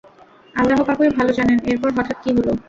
আল্লাহ্ পাকই ভাল জানেন এরপর হঠাৎ কি হল!